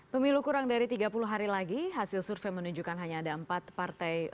pemilu kurang dari tiga puluh hari lagi hasil survei menunjukkan hanya ada empat partai